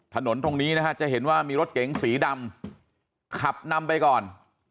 ถนนตรงนี้นะฮะจะเห็นว่ามีรถเก๋งสีดำขับนำไปก่อน